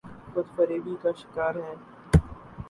خود فریبی کا شکارہیں۔